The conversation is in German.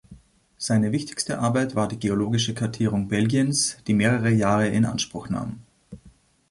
Seine wichtigste Arbeit war die geologische Kartierung Belgiens, die mehrere Jahre in Anspruch nahm.